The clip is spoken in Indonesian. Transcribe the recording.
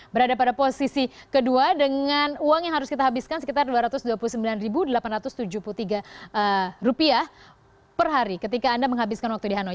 berada pada posisi kedua dengan uang yang harus kita habiskan sekitar rp dua ratus dua puluh sembilan delapan ratus tujuh puluh tiga per hari ketika anda menghabiskan waktu di hanoi